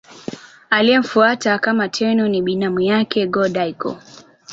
Aliyemfuata kama Tenno ni binamu yake Go-Daigo.